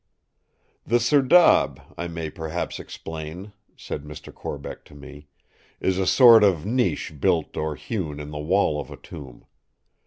"The serdab, I may perhaps explain," said Mr. Corbeck to me, "is a sort of niche built or hewn in the wall of a tomb.